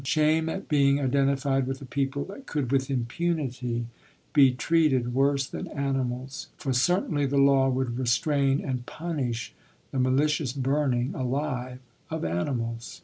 Shame at being identified with a people that could with impunity be treated worse than animals. For certainly the law would restrain and punish the malicious burning alive of animals.